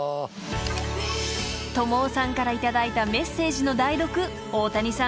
［ＴＯＭＯＯさんから頂いたメッセージの代読大谷さん